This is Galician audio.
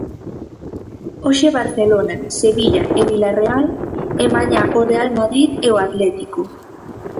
Hoxe Barcelona, Sevilla e Vilarreal; e mañá o Real Madrid e o Atlético.